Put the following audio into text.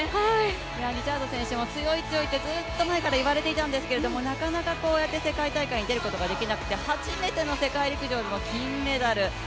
リチャードソン選手も強い強いってずっと前から言われていたんですけれども、なかなかこうやって世界大会に出ることができなくて初めての世界陸上の金メダル。